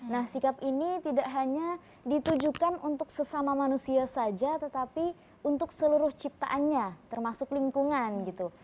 nah sikap ini tidak hanya ditujukan untuk sesama manusia saja tetapi untuk seluruh ciptaannya termasuk lingkungan gitu